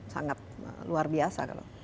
sangat luar biasa